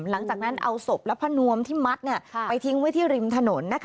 หลังจากนั้นเอาศพและผ้านวมที่มัดไปทิ้งไว้ที่ริมถนน